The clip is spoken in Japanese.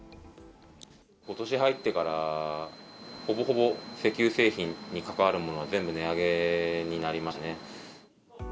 ことし入ってから、ほぼほぼ石油製品に関わるものは、全部値上げになりましたね。